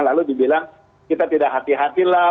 lalu dibilang kita tidak hati hati lah